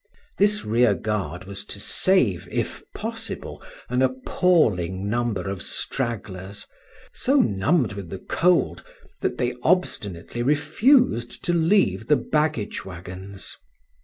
This rear guard was to save if possible an appalling number of stragglers, so numbed with the cold, that they obstinately refused to leave the baggage wagons.